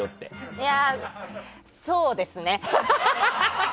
あーそうですね。